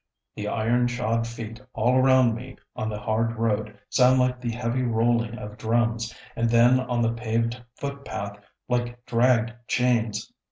The iron shod feet all around me on the hard road sound like the heavy rolling of drums, and then on the paved footpath like dragged chains.